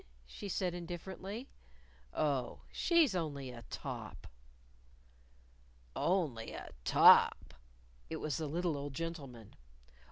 she said indifferently. "Oh, she's only a top." "Only a top!" It was the little old gentleman.